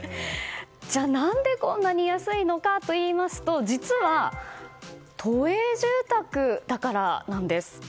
じゃあ、何でこんなに安いのかといいますと実は、都営住宅だからなんです。